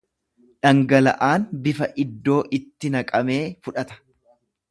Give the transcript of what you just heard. Dhangala’aan bifa iddoo itti naqamee fudhata.